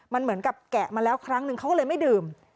มันเหมือนกับแกะมาแล้วครั้งนึงเขาก็เลยไม่ดื่ม